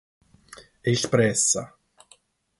expressa